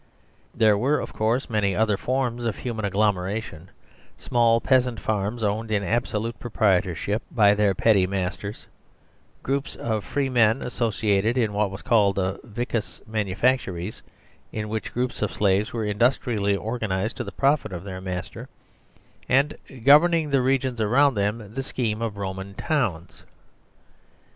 There were, of course, many other forms of human agglomeration: small peasant farms owned in absol ute proprietorship by their petty masters ; groups of free men associated in what was called a Vicus\ manu factories in which groups of slaves were industrially organised to the profit of their master; and, govern , ing the regions around them, the scheme of Roman towns.